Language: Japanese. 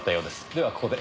ではここで。